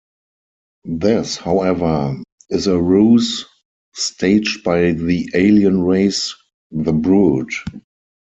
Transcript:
This, however, is a ruse staged by the alien race the Brood.